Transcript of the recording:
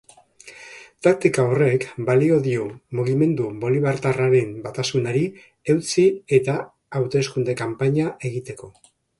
Taktika horrek balio dio mugimendu bolibartarraren batasunari eutsi eta hauteskunde kanpaina egiteko.